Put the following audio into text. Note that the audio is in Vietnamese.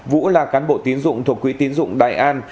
vũ là cán bộ tín dụng thuộc quỹ tín dụng đại an